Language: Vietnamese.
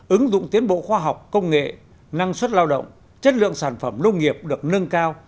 ứng dụng tiến bộ khoa học công nghệ năng suất lao động chất lượng sản phẩm nông nghiệp được nâng cao